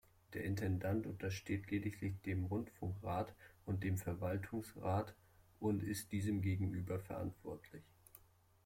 Der Intendant untersteht lediglich dem Rundfunkrat und dem Verwaltungsrat und ist diesen gegenüber verantwortlich.